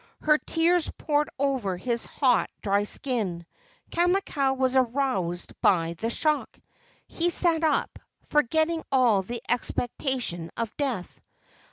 Her tears poured over his hot, dry skin. Kamakau was aroused by the shock. He sat up, forgetting all the expectation of death.